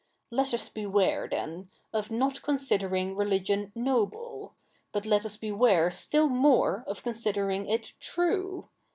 Let us beware, then, of not considering religion noble ; but let us beware still more of consider ing it true.